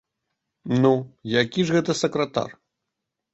Ну, які ж гэта сакратар?